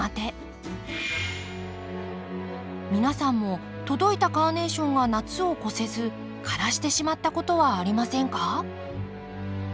皆さんも届いたカーネーションが夏を越せず枯らしてしまったことはありませんか？